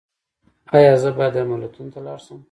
ایا زه باید درملتون ته لاړ شم؟